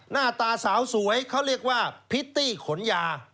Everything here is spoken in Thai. หน้าตาสาวสวยเขาเรียกว่าพิตตี้ขนยา